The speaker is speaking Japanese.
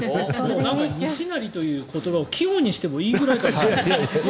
なんか西成という言葉を季語にしてもいいかもしれない。